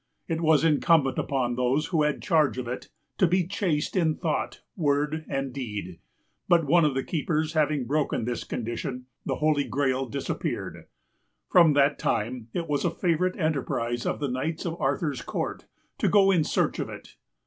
It was incumbent upon those who had charge of it to be chaste in thought, word, and deed; but, one of the keepers having broken this condition, the Holy Grail disappeared. From that time it was a favorite enterprise of the Knights of Arthur's court to go in search of it.